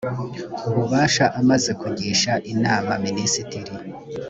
ububasha amaze kugisha inama minisitiri